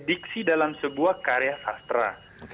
diksi dalam sebuah karya sastra